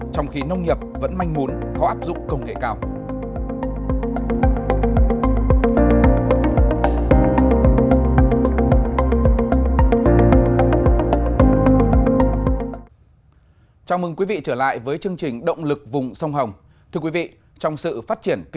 trong khi nông nghiệp vẫn manh muốn có áp dụng công nghệ cao